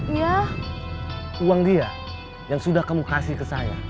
ya uang dia yang sudah kamu kasih ke saya